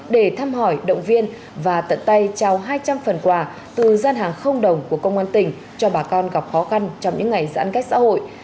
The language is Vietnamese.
để thăm hỏi động viên và tận tay trao hai trăm linh phần quà từ gian hàng không đồng của công an tỉnh cho bà con gặp khó khăn trong những ngày giãn cách xã hội